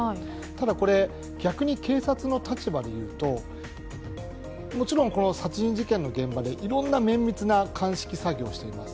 ただ、逆に警察の立場でいうと、もちろん殺人事件の現場でいろんな綿密な鑑識作業をしています。